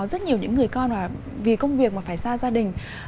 rất nhiều những người con là vì công việc mà phải xa gia đình